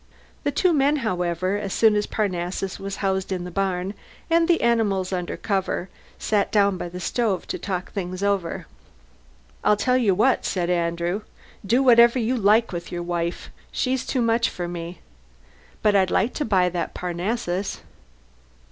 The two men, however, as soon as Parnassus was housed in the barn and the animals under cover, sat down by the stove to talk things over. "I tell you what," said Andrew "do whatever you like with your wife; she's too much for me. But I'd like to buy that Parnassus."